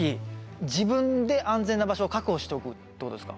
自分で安全な場所を確保しておくってことですか？